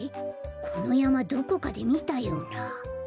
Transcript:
このやまどこかでみたような。